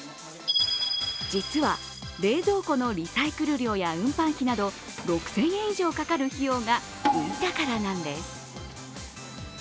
実は冷蔵庫のリサイクル料や運搬費など６０００円以上かかる費用が浮いたからなんです。